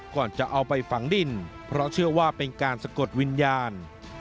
ก่อนจะเอาไปฝังดินเพราะเชื่อว่าเป็นการสะกดวิญญาณ